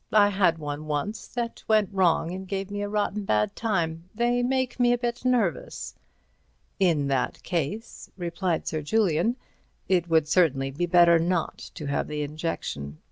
I had one once that went wrong and gave me a rotten bad time. They make me a bit nervous." "In that case," replied Sir Julian, "it would certainly be better not to have the injection.